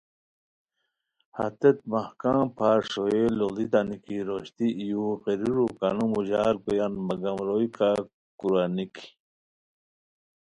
ہیت مہکم پھار ݰوئیے لُوڑیتانی کی روشتی ای یو غیریرو کانو موڑار گویان مگم روئے کا کورا نِکی